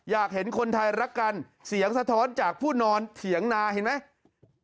อยากเห็นคนไทยรักกันเสียงสะท้อนจากผู้นอนเถียงนาเห็นไหม